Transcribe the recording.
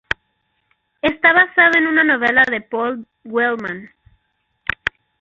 Está basada en una novela de Paul Wellman.